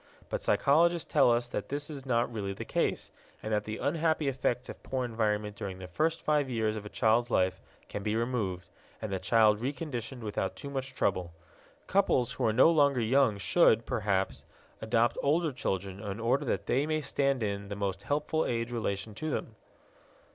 But psychologists tell us that this is not really the case, and that the unhappy effects of poor environment during the first five years of a child's life can be removed, and the child reconditioned without too much trouble. Couples who are no longer young should, perhaps, adopt older children in order that they may stand in the most helpful age relation to them.